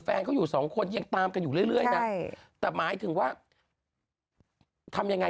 แฟนเขาอยู่สองคนยังตามกันอยู่เรื่อยนะแต่หมายถึงว่าทำยังไง